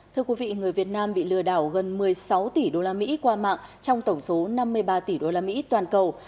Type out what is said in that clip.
thưa quý vị người việt nam bị lừa đảo gần một mươi sáu tỷ usd qua mạng trong tổng số năm mươi ba tỷ usd toàn cầu